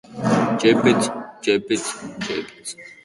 Bertsolari eskolatu gabeak eta eskolatuak.